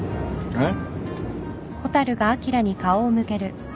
えっ？